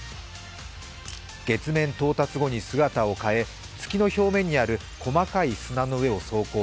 月面到達後に姿を変え、月の表面にある細かい砂の上を走行。